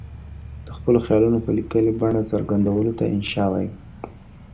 د خپلو خیالونو په لیکلې بڼه څرګندولو ته انشأ وايي.